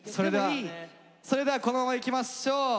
それではこのままいきましょう。